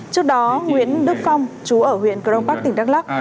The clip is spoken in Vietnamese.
trước đó nguyễn đức phong chú ở huyện cơ đông bắc tỉnh đắk lắc